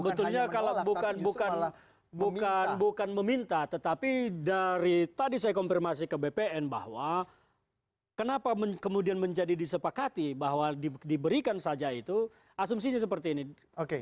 sebetulnya kalau bukan meminta tetapi dari tadi saya konfirmasi ke bpn bahwa kenapa kemudian menjadi disepakati bahwa diberikan saja itu asumsinya seperti ini